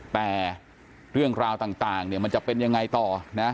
แต่เรื่องราวต่างเนี่ยมันจะเป็นยังไงต่อนะ